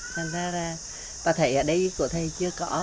thành ra là bà thầy ở đây của thầy chưa có